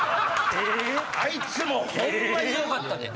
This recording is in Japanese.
あいつもホンマひどかったで！